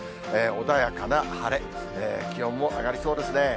穏やかな晴れ、気温も上がりそうですね。